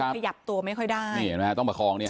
ที่ขยับตัวไม่ค่อยได้นี่เห็นมั้ยค่ะต้องประคองนี้ค่ะ